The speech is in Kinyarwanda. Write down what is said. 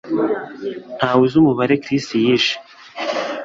Ntawe uzi umubare Chris yishe